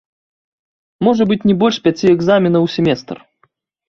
Можа быць не больш пяці экзаменаў у семестр.